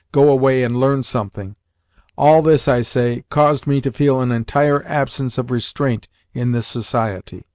Go away and learn something") all this, I say, caused me to feel an entire absence of restraint in this society.